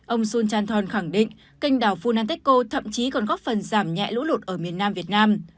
ông sun chan thon khẳng định kênh đảo phunanteco thậm chí còn góp phần giảm nhẹ lũ lụt ở miền nam việt nam